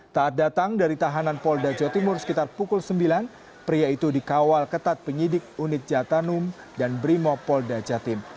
taat datang dari tahanan polda jawa timur sekitar pukul sembilan pria itu dikawal ketat penyidik unit jatanum dan brimopolda jatim